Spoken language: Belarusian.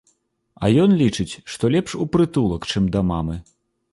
А ён лічыць, што лепш у прытулак, чым да мамы.